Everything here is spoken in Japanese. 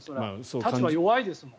立場が弱いですもん。